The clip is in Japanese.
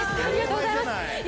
ありがとうございます。